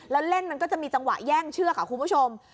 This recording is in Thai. แล้วเล่นมันก็จะมีจังหวะแย่งเชือกค่ะคุณผู้ชม